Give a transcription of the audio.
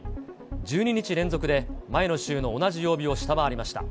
１２日連続で前の週の同じ曜日を下回りました。